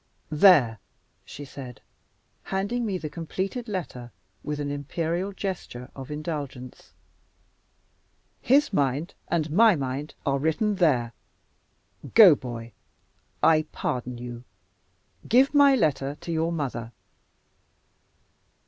"There!" she said, handing me the completed letter with an imperial gesture of indulgence. "His mind and my mind are written there. Go, boy. I pardon you. Give my letter to your mother."